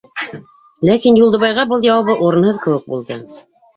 Ләкин Юлдыбайға был яуабы урынһыҙ-кеүек булды.